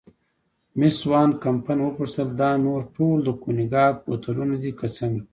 مېس وان کمپن وپوښتل: دا نور ټول د کونیګاک بوتلونه دي که څنګه؟